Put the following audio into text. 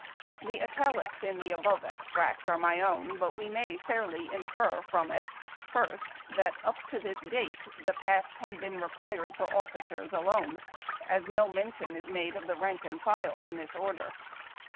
The italics in the above extract are my own ; but we may fairly infer from it :— First, that up to this date the patch had been required for officers alone, as no mention is made of the rank and file in this order.